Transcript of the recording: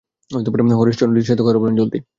হরিশচন্দ্রজির সাথে কথা বলান, জলদি!